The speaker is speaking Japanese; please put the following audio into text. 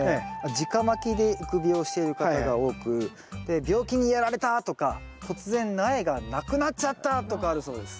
じかまきで育苗している方が多く病気にやられたとか突然苗がなくなっちゃったとかあるそうです。